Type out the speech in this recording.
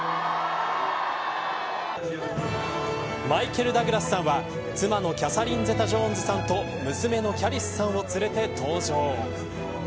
マイケル・ダグラスさんは妻のキャサリン・ゼタ・ジョーンズさんと娘のキャリスさんを連れて登場。